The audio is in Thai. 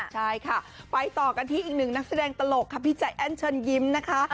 ใช่ค่ะไปต่อกันที่อีกหนึ่งนักแสดงตลกค่ะพี่ใจแอ้นเชิญยิ้มนะคะ